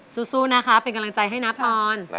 ซูซูนะครับเป็นกำลังใจให้นะพร